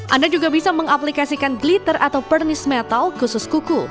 anda juga bisa mengaplikasikan glitter atau pernis metal khusus kuku